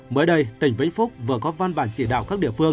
mới đây tỉnh vĩnh phúc vừa có văn bản chỉ đạo các địa phương